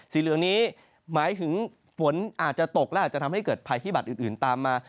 สีเหลืองนี้หมายถึงฝนอาจจะตกและอาจจะทำให้เกิดภัยพิบัตรอื่นตามมา